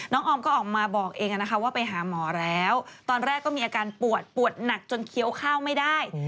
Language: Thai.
ออมก็ออกมาบอกเองนะคะว่าไปหาหมอแล้วตอนแรกก็มีอาการปวดปวดหนักจนเคี้ยวข้าวไม่ได้